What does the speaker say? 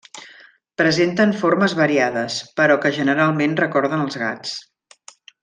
Presenten formes variades, però que generalment recorden els gats.